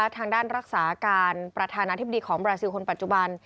ทางด้านรักษาการประธานาธิบดีของบราซิลคนปัจจุบัน